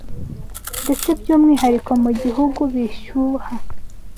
ndetse by’umwihariko mu bihugu bishyuha,